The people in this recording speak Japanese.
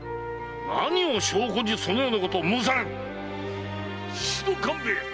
何を証拠にそのようなことを申される⁉宍戸官兵衛